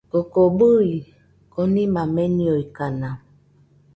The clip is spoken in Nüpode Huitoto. Koko bɨe, konima meniokaina